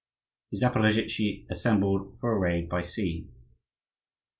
The Zaporozhtzi assembled for a raid by sea.